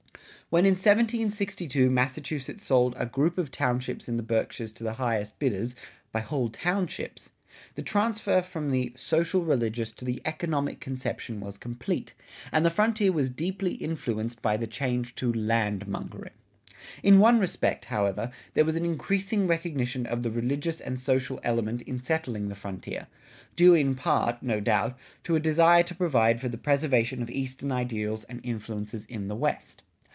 [60:3] When in 1762 Massachusetts sold a group of townships in the Berkshires to the highest bidders (by whole townships),[60:4] the transfer from the social religious to the economic conception was complete, and the frontier was deeply influenced by the change to "land mongering." In one respect, however, there was an increasing recognition of the religious and social element in settling the frontier, due in part, no doubt, to a desire to provide for the preservation of eastern ideals and influences in the West.